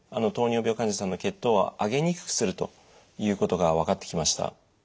糖尿病患者さんの血糖を上げにくくするということが分かってきました。